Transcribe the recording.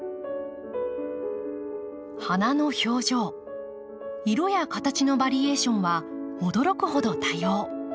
花の表情色や形のバリエーションは驚くほど多様。